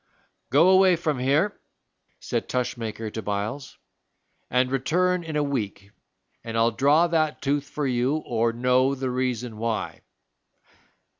"Go away from here," said Tushmaker to Byles, "and return in a week, and I'll draw that tooth for you or know the reason why."